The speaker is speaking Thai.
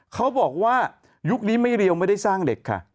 เขาบอกว่ายุคนี้ไม่เรียวไม่ได้สร้างเด็กค่ะ